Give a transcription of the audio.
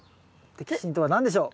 摘心とは何でしょう？